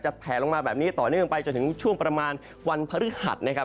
แผลลงมาแบบนี้ต่อเนื่องไปจนถึงช่วงประมาณวันพฤหัสนะครับ